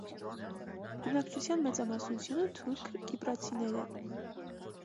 Բնակչության մեծամասնությունը թուրք կիպրացիներ են։